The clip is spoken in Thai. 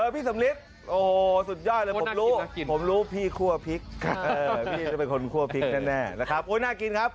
พี่สำริทโอ้โหสุดยอดเลยผมรู้ผมรู้พี่คั่วพริกพี่จะเป็นคนคั่วพริกแน่นะครับโอ๊ยน่ากินครับ